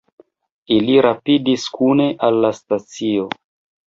Ili rapidis kune al la stacio.